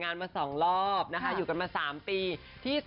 อยากได้ผู้หญิง